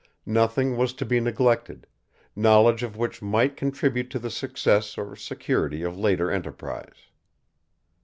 Nothing was to be neglected, knowledge of which might contribute to the success or security of later enterprise.